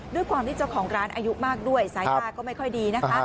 ด้วยความที่เจ้าของร้านอายุมากด้วยสายตาก็ไม่ค่อยดีนะคะ